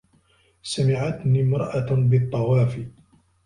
سَمِعَتْنِي امْرَأَةٌ بِالطَّوَافِ